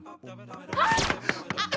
あっ！